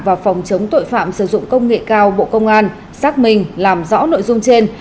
và phòng chống tội phạm sử dụng công nghệ cao bộ công an xác minh làm rõ nội dung trên